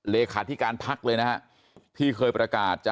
เลขาธิการพักษ์เลยนะฮะ